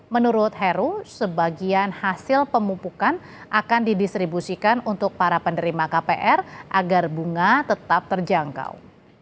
menurut heru sebagian hasil pemupukan akan didistribusikan untuk para penerima kpr agar bunga tetap terjangkau